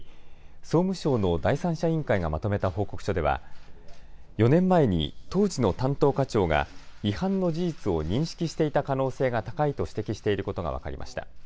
総務省の第三者委員会がまとめた報告書では４年前に当時の担当課長が違反の事実を認識していた可能性が高いと指摘していることが分かりました。